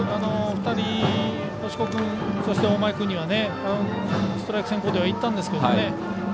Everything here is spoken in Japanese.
２人星子君、大前君にはストライク先行ではいったんですけどね